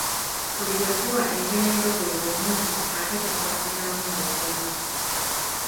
Buli lwe tuwa ente n’endogoyi omunnyu ate tukwasizaamu n’obumyu.